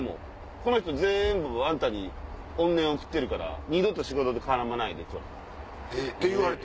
この人全部あんたに怨念送ってるから二度と仕事で絡まないで」って言われて。